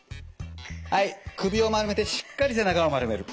はい首を丸めてしっかり背中を丸める。